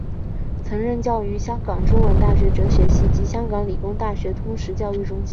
曾任教于香港中文大学哲学系及香港理工大学通识教育中心。